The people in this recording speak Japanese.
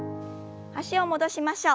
脚を戻しましょう。